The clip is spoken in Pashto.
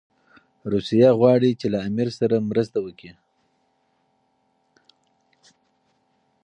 روسیه غواړي چي له امیر سره مرسته وکړي.